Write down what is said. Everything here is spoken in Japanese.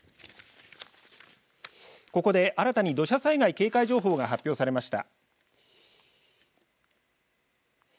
ここで新たに土砂災害警戒情報が発表されました。